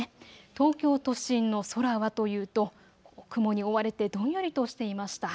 東京都心の空はというと雲に覆われてどんよりとしていました。